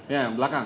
ya yang belakang